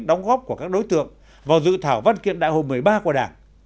đóng góp của các đối tượng vào dự thảo văn kiện đại hội một mươi ba của đảng